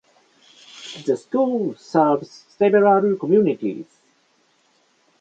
The school serves several communities.